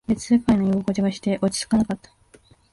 別世界の居心地がして、落ち着かなかった。